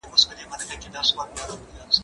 که وخت وي، کار کوم!.